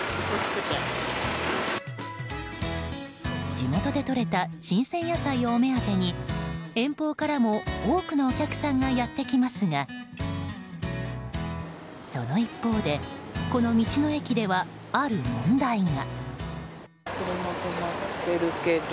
地元でとれた新鮮野菜をお目当てに遠方からも多くのお客さんがやってきますがその一方で、この道の駅ではある問題が。